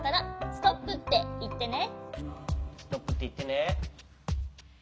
ストップっていってね。